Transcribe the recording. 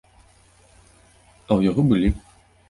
А ў яго былі.